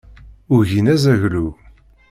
Ugin azaglu.